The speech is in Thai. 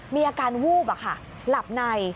มีอาการวูบหลับใน